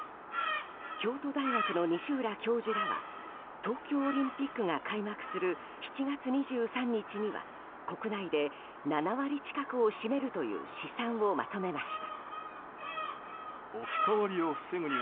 京都大学の西浦教授らは東京オリンピックが開幕する７月２３日には国内で７割近くを占めるという試算をまとめました。